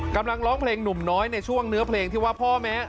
ร้องเพลงหนุ่มน้อยในช่วงเนื้อเพลงที่ว่าพ่อแม่